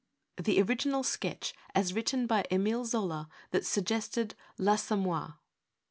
THE ORIGINAL SKETCH AS WRITTEN BY EMILE ZOLA THAT SUGGESTED '' L'aSSOMMOIR.